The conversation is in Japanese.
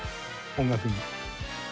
音楽に。